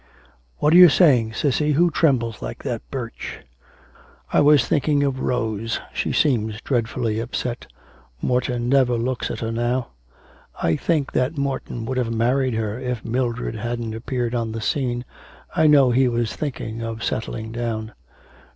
'What are you saying, Cissy? Who trembles like that birch?' 'I was thinking of Rose, she seems dreadfully upset, Morton never looks at her now.' 'I think that Morton would have married her if Mildred hadn't appeared on the scene. I know he was thinking of settling down.'